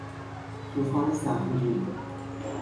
توفان سهمگین